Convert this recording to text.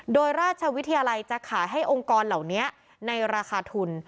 โดยราชวิทยาลัยจะขายให้องค์กรเหล่านี้ในราคาทุน